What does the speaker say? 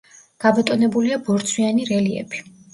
გაბატონებულია ბორცვიანი რელიეფი.